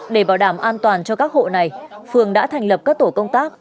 để bảo đảm an toàn cho các hộ này phường đã thành lập các tổ công tác